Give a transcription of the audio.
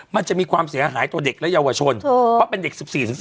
มันจะมีความเสียหายต่อเด็กและเยาวชนเพราะเป็นเด็ก๑๔๑๔